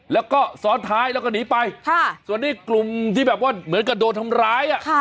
แล้วก็ซ้อนท้ายแล้วก็หนีไปส่วนนี้กลุ่มที่แบบว่าเหมือนกับโดนทำร้าย